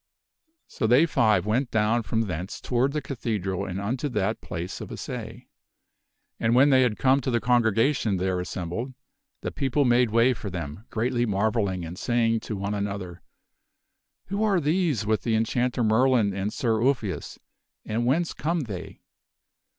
So they five went down from thence toward the cathedral and unto that 32 THE WINNING OF KINGHOOD place of assay. And when they had come to the congregation there as sembled, the people made way for them, greatly marvelling and saying to , r ,. one another, " Who are these with the Enchanter Merlin and Merlin bring eth Arthur to Sir Ulfius, and whence come they?